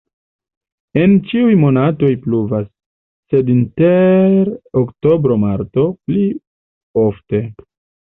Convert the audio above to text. En ĉiuj monatoj pluvas, sed inter oktobro-marto pli ofte.